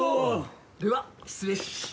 では失礼。